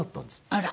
あら。